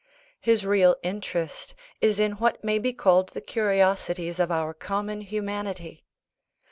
His real interest is in what may be called the curiosities of our common humanity.